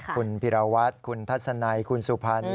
คุณพิราวัฒน์คุณทัศนัยคุณสุภัณฑ์